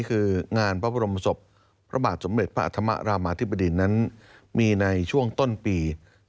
คืองานพระบรมศพพระบาทสมเด็จพระอธรรมรามาธิบดินนั้นมีในช่วงต้นปี